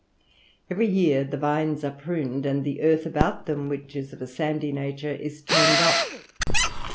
Every year the vines are pruned, and the earth about them, which is of a sandy nature, is turned up.